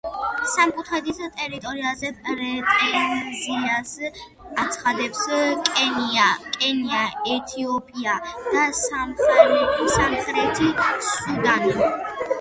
სამკუთხედის ტერიტორიაზე პრეტენზიას აცხადებს კენია, ეთიოპია და სამხრეთი სუდანი.